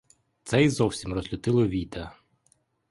Це й зовсім розлютило війта.